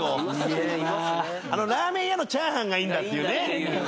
あのラーメン屋のチャーハンがいいんだっていうね。